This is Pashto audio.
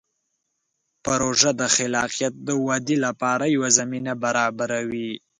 پروژه د خلاقیت د ودې لپاره یوه زمینه برابروي.